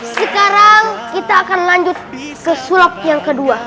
sekarang kita akan lanjut ke sulap yang kedua